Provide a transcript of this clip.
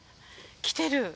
来てる。